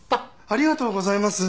ありがとうございます！